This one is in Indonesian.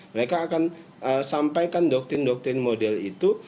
mereka akan sampaikan doktrin doktrin model itu